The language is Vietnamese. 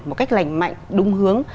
một cách lành mạnh đúng hướng